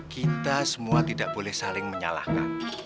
kita semua tidak boleh saling menyalahkan